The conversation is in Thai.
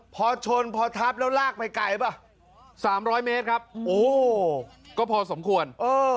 พอชนพอทับแล้วลากไปไกลป่ะ๓๐๐เมตรครับโอ้ก็พอสมควร